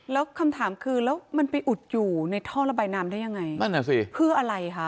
แล้วคำถามคือแล้วมันไปอุดอยู่ในท่อระบายน้ำได้ยังไงนั่นน่ะสิเพื่ออะไรคะ